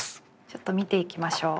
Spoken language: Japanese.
ちょっと見ていきましょう。